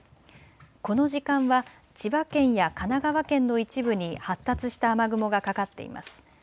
この時間は千葉県や神奈川県の一部に発達した雨雲がかかっています。